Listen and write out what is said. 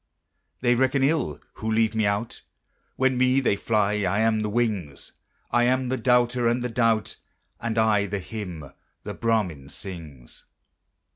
They reckon ill who leave me out; When me they fly, I am the wings; I am the doubter and the doubt, And I the hymn the Brahmin sings.